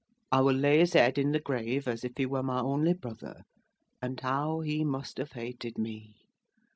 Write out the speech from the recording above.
I will lay his head in the grave, as if he were my only brother: and how he must have hated me!